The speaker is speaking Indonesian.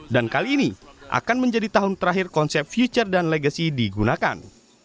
dan kali ini akan menjadi tahun terakhir konsep future dan legacy digunakan